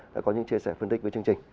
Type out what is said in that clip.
đã có những chia sẻ phân tích với chương trình